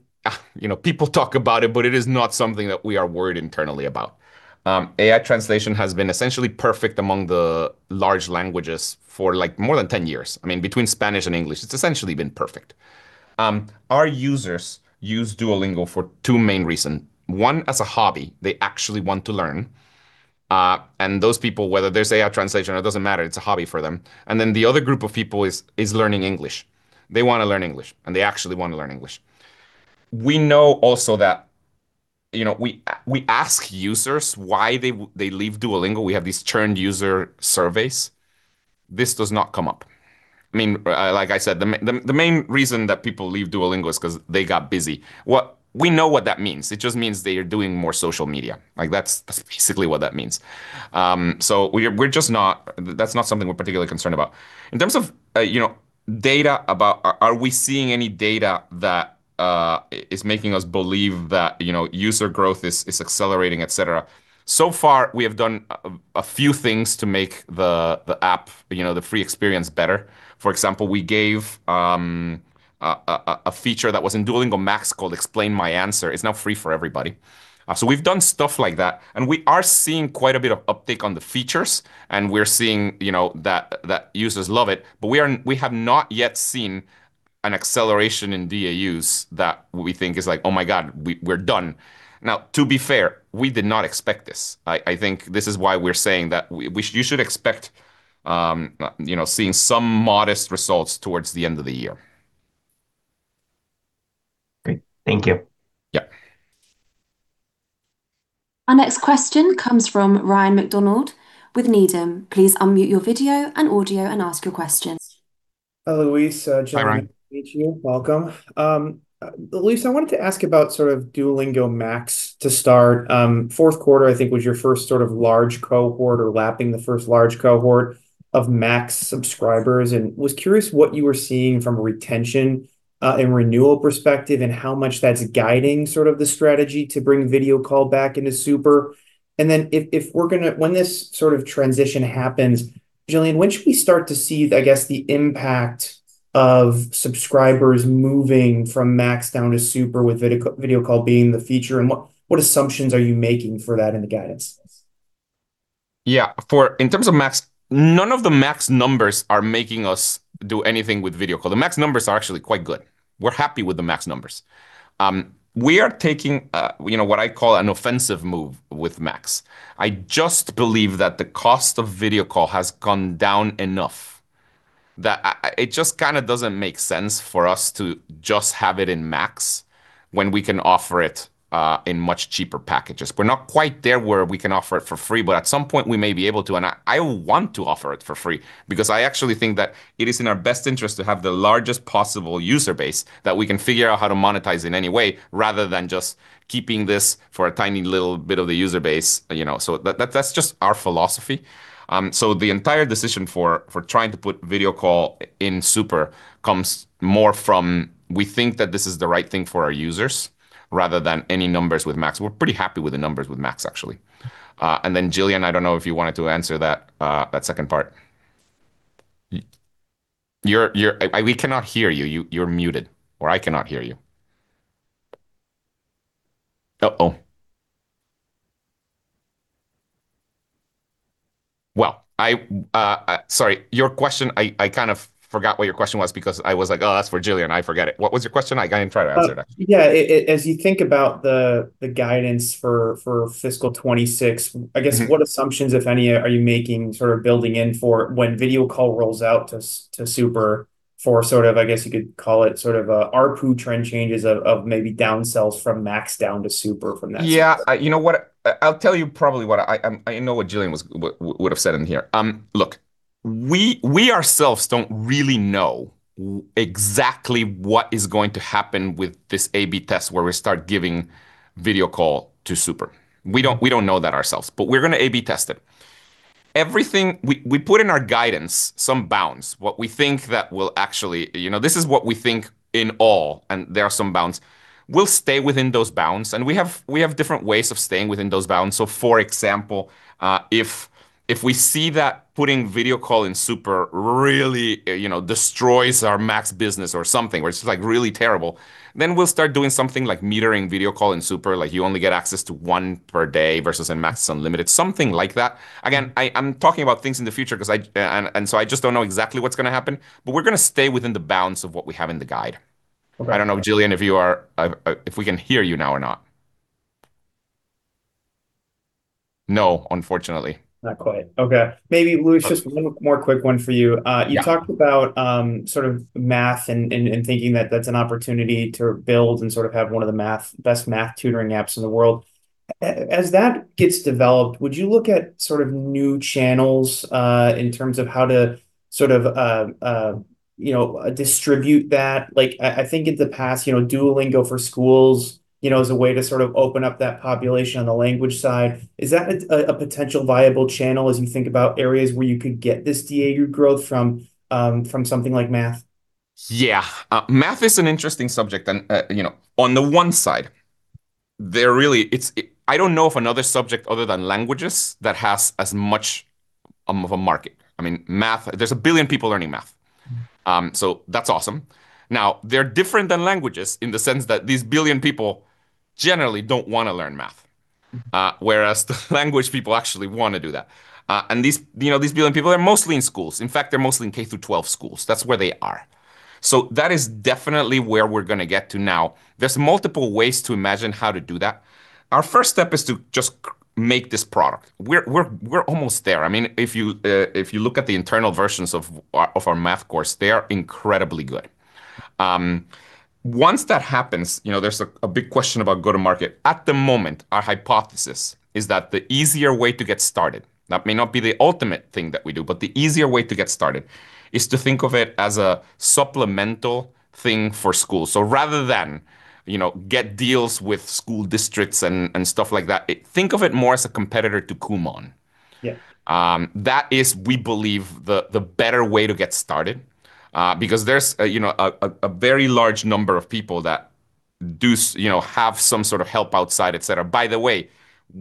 You know, people talk about it, but it is not something that we are worried internally about. AI translation has been essentially perfect among the large languages for, like, more than 10 years. I mean, between Spanish and English, it's essentially been perfect. Our users use Duolingo for two main reasons: one, as a hobby, they actually want to learn, and those people, whether there's AI translation or it doesn't matter, it's a hobby for them. The other group of people is learning English. They want to learn English, and they actually want to learn English. We know also that, you know, we ask users why they leave Duolingo. We have these churned user surveys. This does not come up. I mean, like I said, the main reason that people leave Duolingo is 'cause they got busy. We know what that means. It just means they are doing more social media. Like, that's basically what that means. That's not something we're particularly concerned about. In terms of, you know, data about are we seeing any data that is making us believe that, you know, user growth is accelerating, et cetera. So far, we have done a few things to make the app, you know, the free experience better. For example, we gave a feature that was in Duolingo Max called Explain My Answer. It's now free for everybody. We've done stuff like that, and we are seeing quite a bit of uptake on the features, and we're seeing, you know, that users love it, but we have not yet seen an acceleration in DAUs that we think is like, "Oh my God, we're done!" Now, to be fair, we did not expect this. I think this is why we're saying that you should expect, you know, seeing some modest results towards the end of the year. Great. Thank you. Yeah. Our next question comes from Ryan MacDonald with Needham. Please unmute your video and audio and ask your question. Hi, Luis, Gillian, nice to meet you. Welcome. Luis, I wanted to ask about sort of Duolingo Max to start. fourth quarter, I think, was your first sort of large cohort or lapping the first large cohort of Max subscribers, and was curious what you were seeing from a retention, and renewal perspective, and how much that's guiding sort of the strategy to bring Video Call back into Super. When this sort of transition happens, Gillian, when should we start to see, I guess, the impact of subscribers moving from Max down to Super with Video Call being the feature, and what assumptions are you making for that in the guidance? Yeah. In terms of Max, none of the Max numbers are making us do anything with video call. The Max numbers are actually quite good. We're happy with the Max numbers. We are taking, you know, what I call an offensive move with Max. I just believe that the cost of video call has gone down enough that I, it just kind of doesn't make sense for us to just have it in Max when we can offer it in much cheaper packages. We're not quite there where we can offer it for free, but at some point we may be able to, and I want to offer it for free. Because I actually think that it is in our best interest to have the largest possible user base that we can figure out how to monetize in any way, rather than just keeping this for a tiny little bit of the user base, you know, so that's just our philosophy. The entire decision for trying to put Video Call in Super comes more from, we think that this is the right thing for our users, rather than any numbers with Max. We're pretty happy with the numbers with Max, actually. Gillian, I don't know if you wanted to answer that second part. You're muted, or I cannot hear you. Oh. Well, I, sorry, your question, I kind of forgot what your question was because I was like, "Oh, that's for Gillian. I forget it." What was your question again? I can try to answer that. yeah. As you think about the guidance for fiscal 2026- Mm-hmm. I guess what assumptions, if any, are you making, sort of building in for when video call rolls out to Super for sort of, I guess you could call it, sort of a ARPU trend changes of maybe down sells from Max down to Super from that? You know what? I'll tell you probably what I know what Gillian would have said in here. Look, we ourselves don't really know exactly what is going to happen with this A/B test, where we start giving Video Call to Super. We don't know that ourselves, but we're gonna A/B test it. Everything. We put in our guidance some bounds, what we think that will actually, you know, this is what we think in all, and there are some bounds. We'll stay within those bounds, and we have different ways of staying within those bounds. For example, if we see that putting Video Call in Super really, you know, destroys our Max business or something, where it's, like, really terrible, then we'll start doing something like metering Video Call in Super. Like, you only get access to one per day versus in Max, it's unlimited. Something like that. Again, I'm talking about things in the future, 'cause I, and so I just don't know exactly what's gonna happen, but we're gonna stay within the bounds of what we have in the guide. Okay. I don't know, Gillian, if you are, if we can hear you now or not. No, unfortunately. Not quite. Okay, maybe Luis, just one more quick one for you. Yeah. You talked about sort of math and thinking that that's an opportunity to build and sort of have one of the math, best math tutoring apps in the world. As that gets developed, would you look at sort of new channels, in terms of how to sort of, you know, distribute that? Like, I think in the past, you know, Duolingo for Schools, you know, as a way to sort of open up that population on the language side. Is that a potential viable channel as you think about areas where you could get this DAU growth from something like math? Yeah. Math is an interesting subject, and, you know, on the one side, there really, it's, I don't know of another subject other than languages that has as much of a market. I mean, Math, there's 1 billion people learning Math. That's awesome. Now, they're different than languages in the sense that these 1 billion people generally don't wanna learn Math. Whereas, the language people actually wanna do that. These, you know, these billion people are mostly in schools. In fact, they're mostly in K-12 schools. That's where they are. That is definitely where we're gonna get to. Now, there's multiple ways to imagine how to do that. Our first step is to just make this product. We're almost there. I mean, if you look at the internal versions of our Math course, they are incredibly good. Once that happens, you know, there's a big question about go-to-market. At the moment, our hypothesis is that the easier way to get started, that may not be the ultimate thing that we do, but the easier way to get started is to think of it as a supplemental thing for school. Rather than, you know, get deals with school districts and stuff like that, think of it more as a competitor to Kumon. Yeah. That is, we believe, the better way to get started, because there's a, you know, a very large number of people that do you know, have some sort of help outside, et cetera. By the way,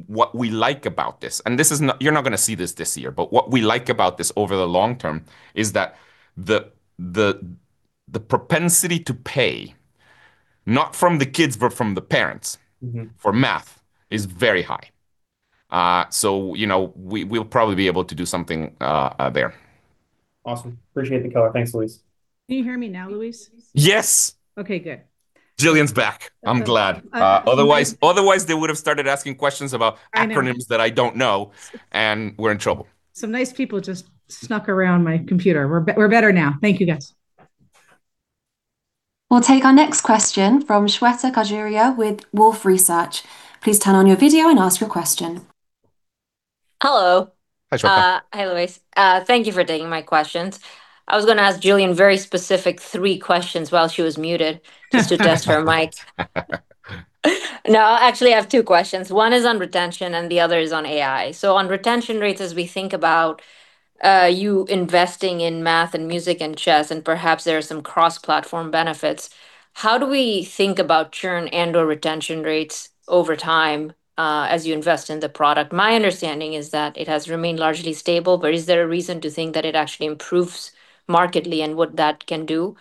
what we like about this, and this is not. You're not gonna see this this year, but what we like about this over the long term is that the propensity to pay, not from the kids, but from the parents- Mm-hmm -for math, is very high so, you know, we'll probably be able to do something, there. Awesome. Appreciate the color. Thanks, Luis. Can you hear me now, Luis? Yes! Okay, good. Gillian's back. I'm glad. Uh- Otherwise they would have started asking questions about- I know. -acronyms that I don't know, and we're in trouble. Some nice people just snuck around my computer. We're better now. Thank you, guys. We'll take our next question from Shweta Khajuria with Wolfe Research. Please turn on your video and ask your question. Hello. Hi, Shweta. Hi, Luis. Thank you for taking my questions. I was gonna ask Gillian very specific three questions while she was muted just to test her mic. No, actually, I have two questions: One is on retention, and the other is on AI. On retention rates, as we think about you investing in math and music and chess, and perhaps there are some cross-platform benefits, how do we think about churn and/or retention rates over time as you invest in the product? My understanding is that it has remained largely stable, but is there a reason to think that it actually improves markedly, and what that can do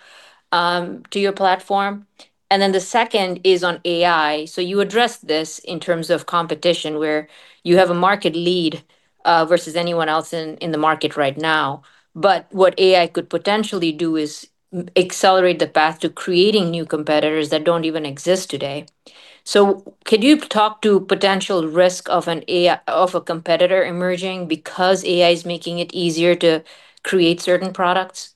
to your platform? Then the second is on AI. You addressed this in terms of competition, where you have a market lead, versus anyone else in the market right now. What AI could potentially do is accelerate the path to creating new competitors that don't even exist today. Could you talk to potential risk of an AI of a competitor emerging because AI is making it easier to create certain products?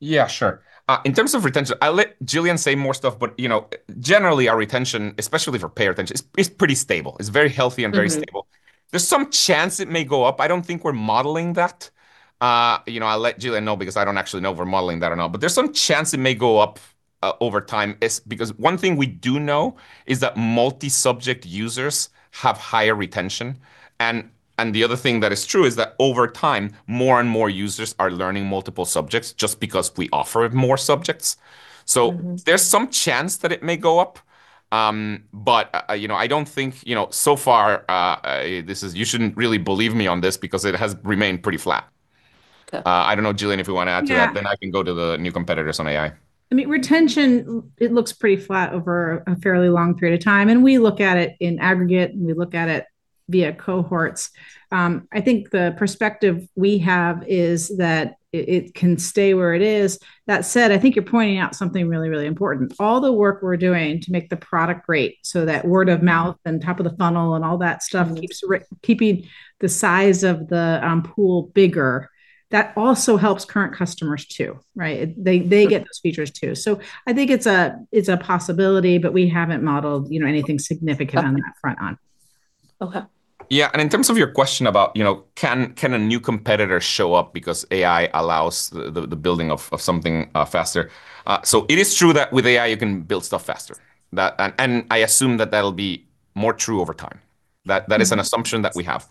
Yeah, sure. In terms of retention, I'll let Gillian say more stuff, but, you know, generally, our retention, especially for pay retention, is pretty stable. It's very healthy- Mm-hmm -and very stable. There's some chance it may go up. I don't think we're modeling that. You know, I'll let Gillian know because I don't actually know if we're modeling that or not, but there's some chance it may go up over time. It's because one thing we do know is that multi-subject users have higher retention, and the other thing that is true is that, over time, more and more users are learning multiple subjects just because we offer more subjects. Mm-hmm. There's some chance that it may go up, you know, I don't think. You know, so far, you shouldn't really believe me on this because it has remained pretty flat. Okay. I don't know, Gillian, if you want to add to that. Yeah. I can go to the new competitors on AI. I mean, retention, it looks pretty flat over a fairly long period of time, and we look at it in aggregate, and we look at it via cohorts. I think the perspective we have is that it can stay where it is. That said, I think you're pointing out something really, really important. All the work we're doing to make the product great, so that word of mouth and top of the funnel and all that stuff keeps keeping the size of the, pool bigger, that also helps current customers, too, right? They get those features, too. I think it's a possibility, but we haven't modeled, you know, anything significant on that front on. Okay. Yeah, and in terms of your question about, you know, can a new competitor show up because AI allows the building of something faster? It is true that with AI, you can build stuff faster. I assume that that'll be more true over time. That is an assumption that we have.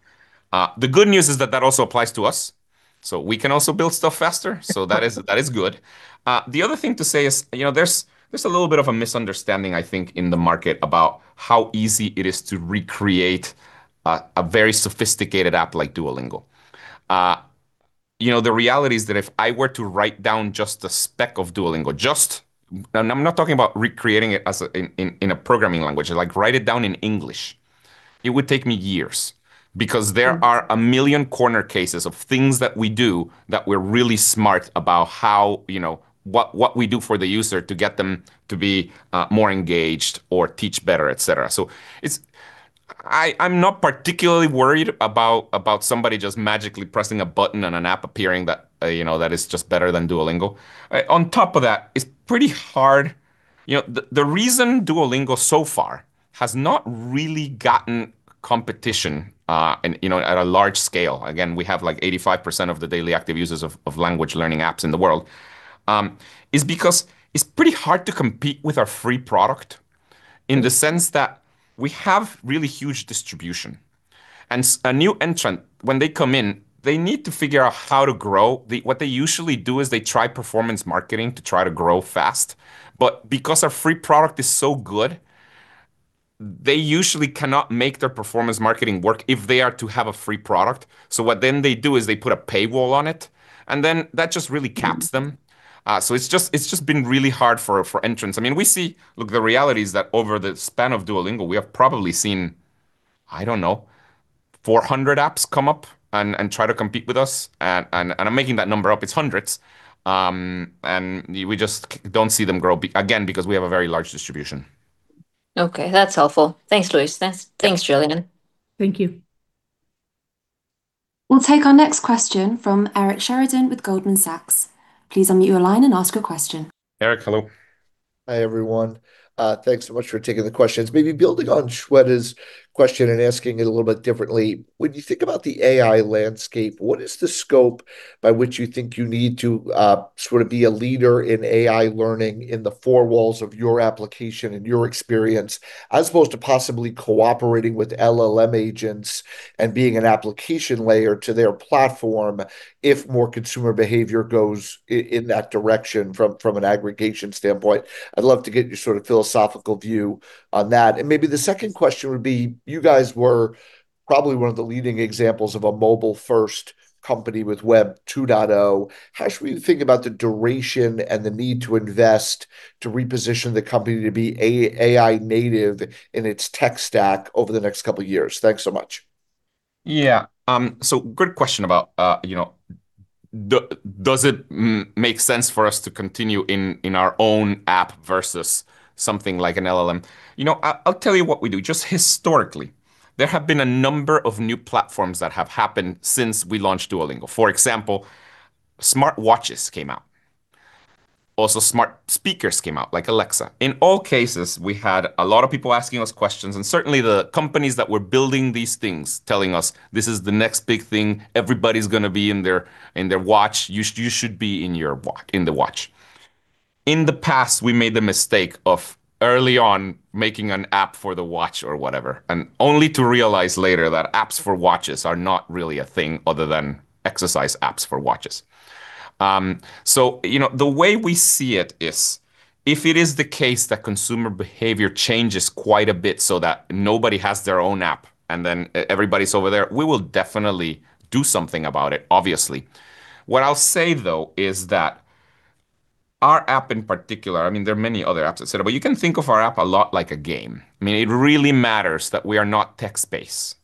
The good news is that that also applies to us, so we can also build stuff faster. That is good. The other thing to say is, you know, there's a little bit of a misunderstanding, I think, in the market about how easy it is to recreate a very sophisticated app like Duolingo. You know, the reality is that if I were to write down just the spec of Duolingo, and I'm not talking about recreating it as a in a programming language, like, write it down in English, it would take me years. Because there are a million corner cases of things that we do that we're really smart about how, you know, what we do for the user to get them to be more engaged or teach better, et cetera. I'm not particularly worried about somebody just magically pressing a button and an app appearing that, you know, that is just better than Duolingo. On top of that, it's pretty hard. You know, the reason Duolingo so far has not really gotten competition, and, you know, at a large scale, again, we have, like, 85% of the daily active users of language learning apps in the world, is because it's pretty hard to compete with our free product in the sense that we have really huge distribution. A new entrant, when they come in, they need to figure out how to grow. What they usually do is they try performance marketing to try to grow fast, but because our free product is so good, they usually cannot make their performance marketing work if they are to have a free product. What then they do, is they put a paywall on it. Then that just really caps them. It's just been really hard for entrants. I mean, look, the reality is that over the span of Duolingo, we have probably seen, I don't know, 400 apps come up and try to compete with us, and I'm making that number up. It's hundreds. And we just don't see them grow again, because we have a very large distribution. Okay, that's helpful. Thanks, Luis. Thanks, Gillian. Thank you. We'll take our next question from Eric Sheridan with Goldman Sachs. Please unmute your line and ask your question. Eric, hello. Hi, everyone. Thanks so much for taking the questions. Maybe building on Shweta's question and asking it a little bit differently: When you think about the AI landscape, what is the scope by which you think you need to sort of be a leader in AI learning in the four walls of your application and your experience, as opposed to possibly cooperating with LLM agents and being an application layer to their platform if more consumer behavior goes in that direction from an aggregation standpoint? I'd love to get your sort of philosophical view on that. Maybe the second question would be: You guys were probably one of the leading examples of a mobile-first company with Web 2.0. How should we think about the duration and the need to invest to reposition the company to be AI native in its tech stack over the next couple of years? Thanks so much. Good question about does it make sense for us to continue in our own app versus something like an LLM? You know, I'll tell you what we do. Just historically, there have been a number of new platforms that have happened since we launched Duolingo. For example, smartwatches came out. Also, smart speakers came out, like Alexa. In all cases, we had a lot of people asking us questions, and certainly the companies that were building these things, telling us, "This is the next big thing. Everybody's gonna be in their, in their watch. You should be in your watch, in the watch." In the past, we made the mistake of early on making an app for the watch or whatever, and only to realize later that apps for watches are not really a thing other than exercise apps for watches. You know, the way we see it is, if it is the case that consumer behavior changes quite a bit so that nobody has their own app, and then everybody's over there, we will definitely do something about it, obviously. What I'll say, though, is that our app in particular, I mean, there are many other apps, et cetera, but you can think of our app a lot like a game. I mean, it really matters that we are not text-based.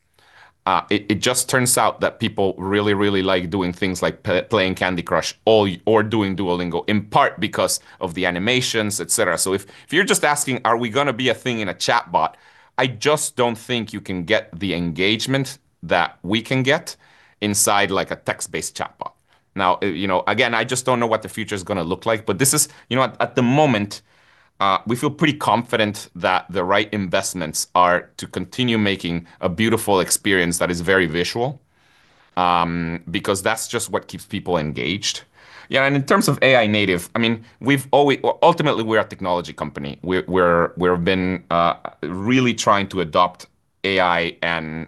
It just turns out that people really, really like doing things like playing Candy Crush or doing Duolingo, in part because of the animations, et cetera. If, if you're just asking, are we gonna be a thing in a chatbot? I just don't think you can get the engagement that we can get inside, like a text-based chatbot. You know, again, I just don't know what the future is gonna look like, but this is. You know what? At the moment, we feel pretty confident that the right investments are to continue making a beautiful experience that is very visual, because that's just what keeps people engaged. Yeah, in terms of AI native, I mean, we've always. Ultimately, we're a technology company. We've been really trying to adopt AI and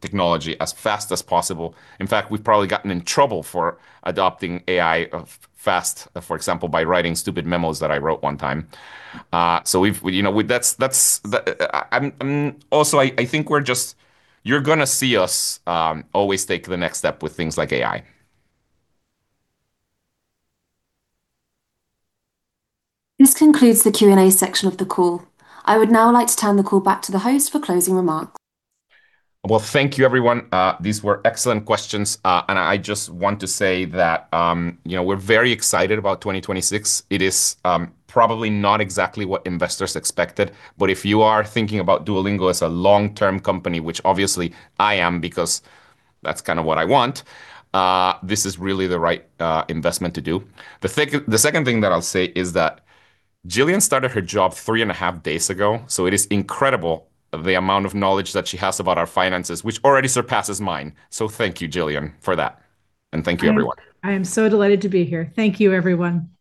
technology as fast as possible. In fact, we've probably gotten in trouble for adopting AI fast, for example, by writing stupid memos that I wrote one time. We've, you know, that's the, I'm... I think you're gonna see us always take the next step with things like AI. This concludes the Q&A section of the call. I would now like to turn the call back to the host for closing remarks. Well, thank you, everyone. These were excellent questions. I just want to say that, you know, we're very excited about 2026. It is probably not exactly what investors expected, but if you are thinking about Duolingo as a long-term company, which obviously I am, because that's kinda what I want, this is really the right investment to do. The second thing that I'll say is that Gillian started her job 3.5 days ago. It is incredible the amount of knowledge that she has about our finances, which already surpasses mine. Thank you, Gillian, for that, and thank you, everyone. I am so delighted to be here. Thank you, everyone. Bye.